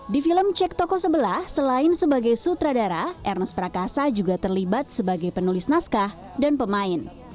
di film cek toko sebelah selain sebagai sutradara ernest prakasa juga terlibat sebagai penulis naskah dan pemain